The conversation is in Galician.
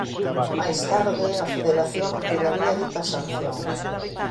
Máis tarde a Federación retiraría dita sanción.